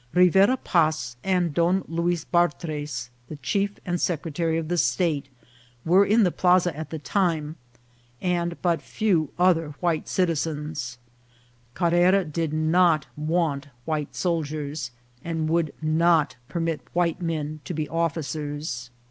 Rivera Paz and Don Luis Bartres, the chief and secretary of the state, were in the plaza at the time, and but few other white citizens. Car rera did not want white soldiers, and would not permit white men to be officers.